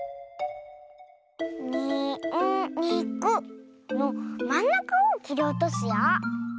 「に・ん・に・く」のまんなかをきりおとすよ。